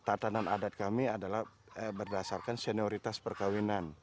tatanan adat kami adalah berdasarkan senioritas perkawinan